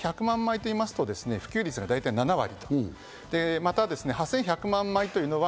８１００万枚と言いますと普及率が大体７割。